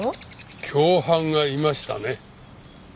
共犯がいましたね？